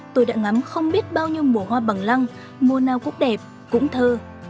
tôi đã ngắm không biết bao nhiêu mùa hoa bằng lăng mùa nào cũng đẹp cũng thơ